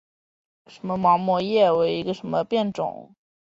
膜叶毛木通为毛茛科铁线莲属下的一个变种。